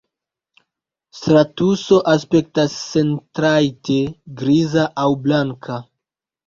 Stratuso aspektas sentrajte griza aŭ blanka.